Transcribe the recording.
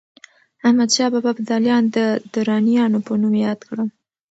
احمدشاه بابا ابداليان د درانیانو په نوم ياد کړل.